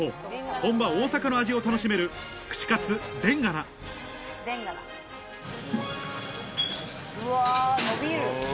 本場大阪の味を楽しめるうわのびる！